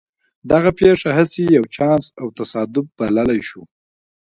دغه پېښه هسې يو چانس او تصادف بللای شو.